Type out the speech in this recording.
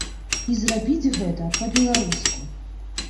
І зрабіць гэта па-беларуску.